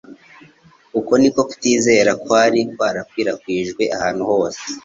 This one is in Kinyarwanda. Uko niko kutizera kwari kwarakwirakwijwe ahantu hose;